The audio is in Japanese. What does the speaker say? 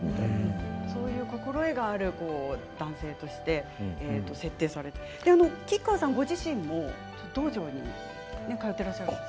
そういう心得がある男性として設定されて吉川さんご自身も道場に通っていらっしゃると。